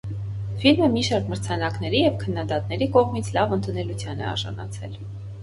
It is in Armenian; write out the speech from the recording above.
Ֆիլմը մի շարք մրցանակների և քննադատների կողմից լավ ընդունելության է արժանացել։